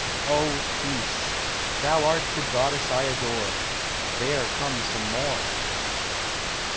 Oh Peace! thou art the goddess I adore There come some more.